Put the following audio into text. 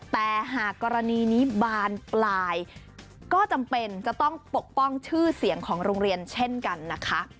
แต่หากกรณีนี้บานปลายก็จำเป็นจะต้องปกป้องชื่อเสียงของโรงเรียนเช่นกันนะคะ